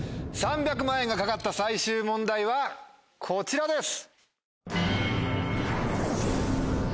３００万円が懸かった最終問題はこちらです。